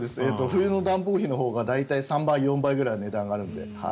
冬の暖房費のほうが大体３倍、４倍ぐらいの値段があるので。